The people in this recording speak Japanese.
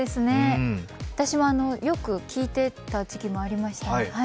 私もよく聴いていた時期もありました。